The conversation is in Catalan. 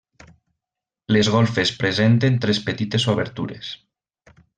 Les golfes presenten tres petites obertures.